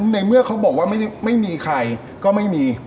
ในเมื่อเขาบอกว่าไม่มีใครก็ไม่มี